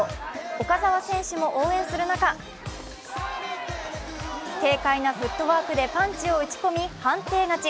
岡澤選手も応援する中軽快なフットワークでパンチを打ち込み判定勝ち。